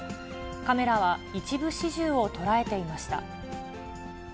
カメラは一部始終を捉えていました。